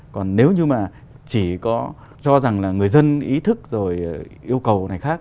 còn nếu như mà chỉ có cho rằng là người dân ý thức rồi yêu cầu này khác